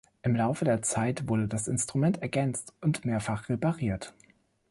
Im Laufe der Zeit wurde das Instrument ergänzt und mehrfach repariert.